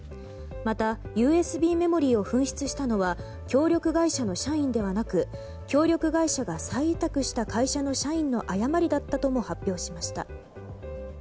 また、ＵＳＢメモリーを紛失したのは協力会社の社員ではなく協力会社が再委託した会社の社員の誤りだったとも発表しました。